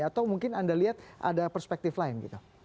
atau mungkin anda lihat ada perspektif lain gitu